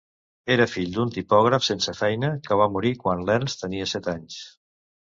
Era fill d'un tipògraf sense feina, que va morir quan l'Ernst tenia set anys.